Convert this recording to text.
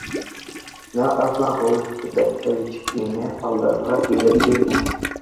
Бына Аҙнағол Һибәтович миңә алдарға ирек бирмәҫ